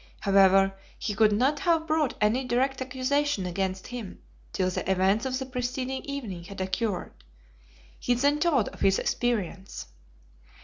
However, he could not have brought any direct accusation against him till the events of the preceding evening had occurred. He then told of his experience.